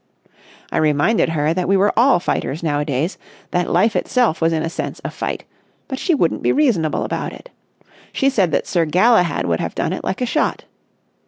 I reminded her that we were all fighters nowadays, that life itself was in a sense a fight; but she wouldn't be reasonable about it. She said that Sir Galahad would have done it like a shot.